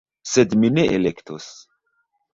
Sed mi ne elektos